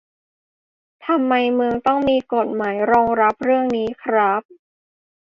ทำไมเมืองต้องมีกฎหมายรองรับเรื่องนี้คร้าบ